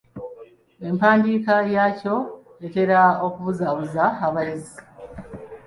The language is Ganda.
Empandiika yaakyo etera okubuzaabuza abayizi.